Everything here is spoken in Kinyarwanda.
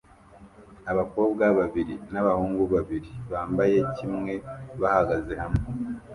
Abakobwa babiri n'abahungu babiri bambaye kimwe bahagaze hamwe